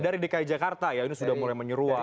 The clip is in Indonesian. dari dki jakarta ya ini sudah mulai menyeruak